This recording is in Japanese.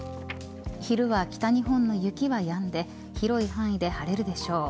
昼は北日本の雪はやんで広い範囲で晴れるでしょう。